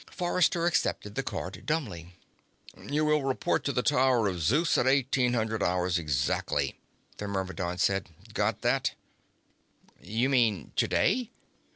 Forrester accepted the card dumbly. "You will report to the Tower of Zeus at eighteen hundred hours exactly," the Myrmidon said. "Got that?" "You mean today?"